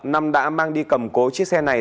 năm đã mang đi cầm cố chiếc xe này